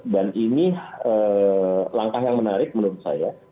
dan ini langkah yang menarik menurut saya